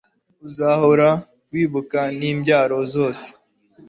uzahora wibukwa n’imbyaro zose